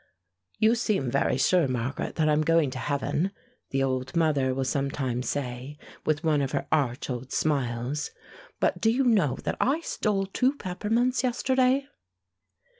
"You seem very sure, Margaret, that I am going to heaven," the old mother will sometimes say, with one of her arch old smiles; "but do you know that I stole two peppermints yesterday?"